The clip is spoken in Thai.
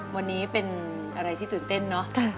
วันนี้เป็นอะไรที่ตื่นเต้นเนอะ